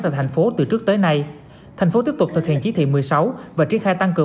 tại tp hcm từ trước tới nay tp hcm tiếp tục thực hiện chiếc thị một mươi sáu và triết khai tăng cường